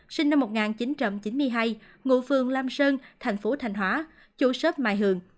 sinh năm một nghìn chín trăm chín mươi hai ngụ phường lam sơn tp thành hóa chủ sớp mai hường